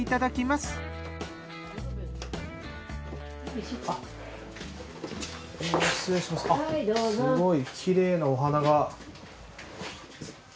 すごいきれいなお花が。